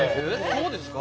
そうですか？